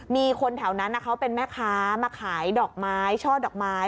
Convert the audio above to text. มีคนแถวนั้นเขาเป็นแม่ค้ามาขายดอกไม้ช่อดอกไม้